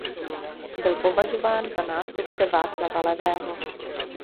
Byl považován za nástupce Václava Levého.